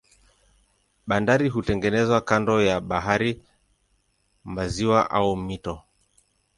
Bandari hutengenezwa kando ya bahari, maziwa au mito.